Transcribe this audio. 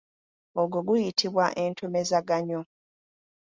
Ogwo guyitibwa entomezaganyo.